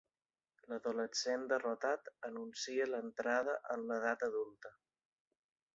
L'adolescent derrotat anuncia l'entrada en l'edat adulta.